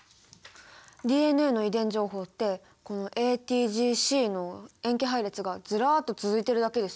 ＤＮＡの遺伝情報ってこのＡＴＧＣの塩基配列がずらっと続いてるだけですよ。